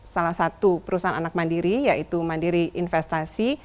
salah satu perusahaan anak mandiri yaitu mandiri investasi